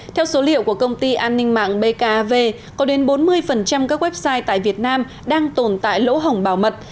theo số liệu của công ty an ninh mạng bkv có đến bốn mươi các website tại việt nam đang tồn tại lỗ hỏng bảo mật